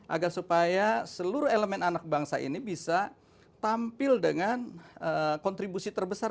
agar supaya seluruh elemen anak bangsa ini bisa tampil dengan kontribusi terbesar